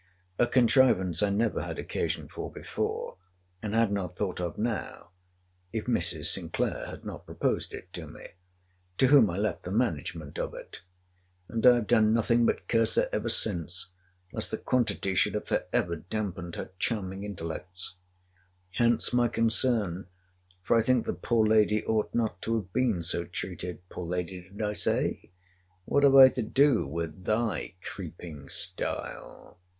A contrivance I never had occasion for before, and had not thought of now, if Mrs. Sinclair had not proposed it to me: to whom I left the management of it: and I have done nothing but curse her ever since, lest the quantity should have for ever dampened her charming intellects. Hence my concern—for I think the poor lady ought not to have been so treated. Poor lady, did I say?—What have I to do with thy creeping style?